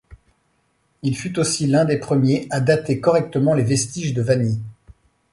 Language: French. Il fut aussi l'un des premiers à dater correctement les vestiges de Vani.